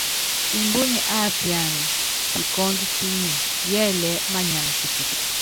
Mbúnyi ápiana pikɔ́ndɔ píni, yɛ́lɛɛ́ manyam kitikit.